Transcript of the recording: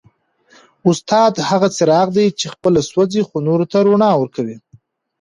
استاد هغه څراغ دی چي خپله سوځي خو نورو ته رڼا ورکوي.